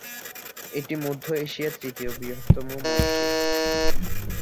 এটি মধ্য এশিয়ার তৃতীয় বৃহত্তম মসজিদ।